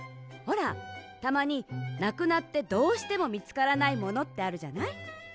ほらたまになくなってどうしてもみつからないものってあるじゃない？